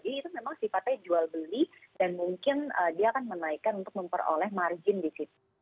jadi itu memang sifatnya jual beli dan mungkin dia akan menaikkan untuk memperoleh margin di situ